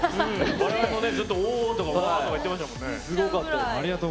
我々も、ずっとおとか言ってましたもんね。